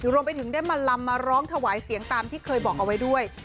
รวมไปถึงได้มาลำมาร้องถวายเสียงตามที่เคยบอกเอาไว้ด้วย